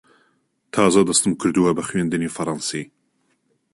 تازە دەستم کردووە بە خوێندنی فەڕەنسی.